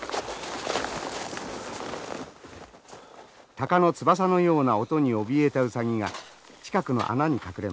タカの翼のような音におびえたウサギが近くの穴に隠れます。